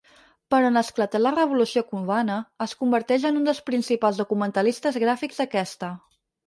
Però en esclatar la Revolució Cubana es convertix en un dels principals documentalistes gràfics d'aquesta.